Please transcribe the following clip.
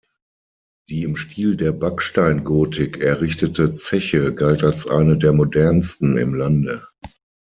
Die im Stil der Backsteingotik errichtete Zeche galt als eine der modernsten im Lande.